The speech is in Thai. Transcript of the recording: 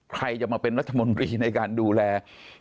ใครจะมาเป็นรัฐมนตรีในการดูแล